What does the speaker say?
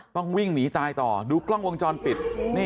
ต้องวิ่งหนีตายต่อดูกล้องวงจรปิด